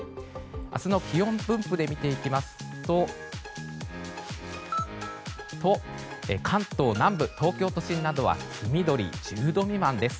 明日の気温分布で見ていきますと関東南部、東京都心などは黄緑の１０度未満です。